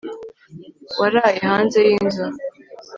waraye hanze yinzu